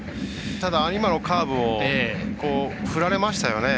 今のカーブを振られましたよね。